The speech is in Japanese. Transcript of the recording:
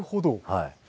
はい。